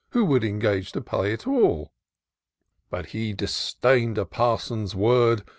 Who would engage to pay it all ; But he disdain'd a parson's word.